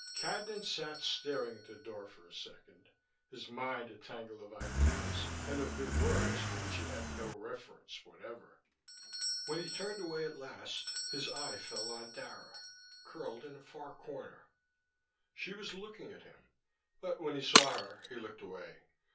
Cadnan sat staring at the door for a second, his mind a tangle of ideas and of new words for which he had no referents whatever. When he turned away at last his eye fell on Dara, curled in a far corner. She was looking at him but when he saw her he looked away.